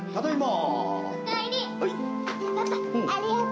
はい。